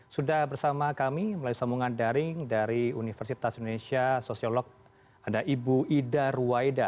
sudah bersama kami melalui sambungan daring dari universitas indonesia sosiolog ada ibu ida ruwaida